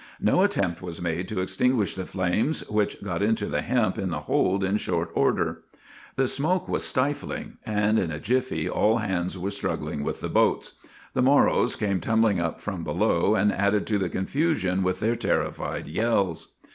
No attempt was made to extinguish the flames, which got into the hemp in the hold in short order. " The smoke was stifling, and in a jiffy all hands were struggling with the boats. The Moros came tumbling up from below and added to the confusion with their terrified yells.